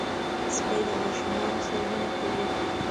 سپي د ماشومانو سره مینه کوي.